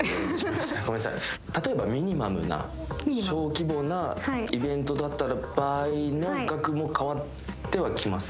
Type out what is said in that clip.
例えばミニマムな小規模なイベントだった場合の額も変わってはきます？